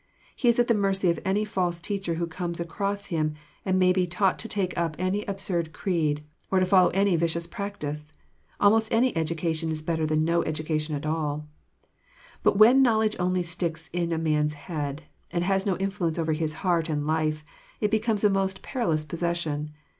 He is at the mercy of any false teacher who comes across him, and may be taught to take up any absurd creed, or to follow any vicious practice. Almost any education is better than no education at aU. But when knowledge only sticks in a man's head, and has no influence over his heart and life, it becomes a most perilous possession.